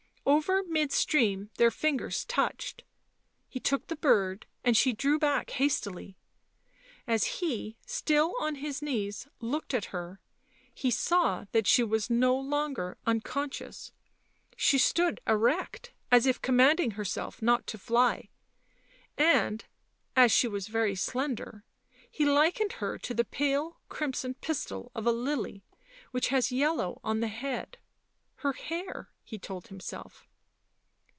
Over mid stream their fingers touched; lie took the bird, and she drew back hastily. As he, still on his knees, looked at her, he saw that she was no longer unconscious; she stood erect as if commanding herself not to fly, and (as she was very slender) he likened her to the pale crimson pistil of a lily which has yellow on the head — her hair, he told himself.